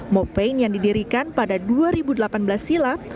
mopeg yang didirikan pada dua ribu delapan belas silam